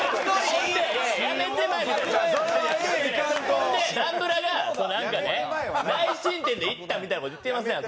そんで男ブラがなんかね内申点で行ったみたいな事言ってますやん。